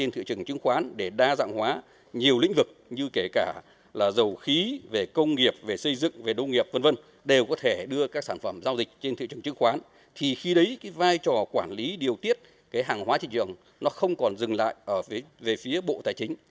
thì khi đấy cái vai trò quản lý điều tiết cái hàng hóa thị trường nó không còn dừng lại về phía bộ tài chính